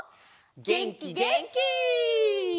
げんきげんき！